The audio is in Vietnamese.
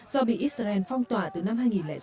do bị israel phong tỏa từ năm hai nghìn sáu